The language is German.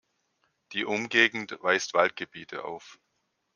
Die Umgegend weist Waldgebiete auf.